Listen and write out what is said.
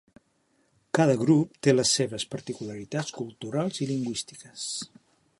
Cada grup té les seves particularitats culturals i lingüístiques.